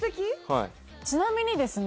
はいちなみにですね